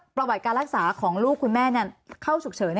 ประวัติการรักษาของลูกคุณแม่เข้าฉุกเฉิน